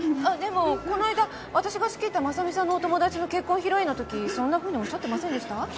でもこの間私が仕切った真実さんのお友達の結婚披露宴の時そんなふうにおっしゃってませんでした？